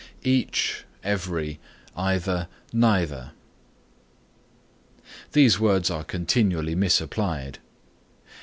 EACH, EVERY, EITHER, NEITHER These words are continually misapplied.